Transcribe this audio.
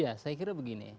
ya saya kira begini